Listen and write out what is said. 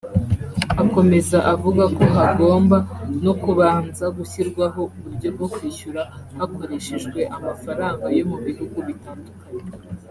Akomeza avuga ko hagomba no kubanza gushyirwaho uburyo bwo kwishyura hakoreshejwe amafaranga yo mu bihugu bitandukanye